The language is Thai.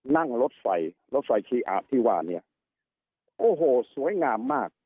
นั่งรถไฟรถไฟชีอะที่ว่าเนี่ยโอ้โหสวยงามมาก